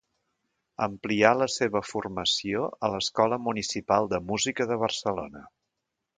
Amplià la seva formació a l'Escola Municipal de Música de Barcelona.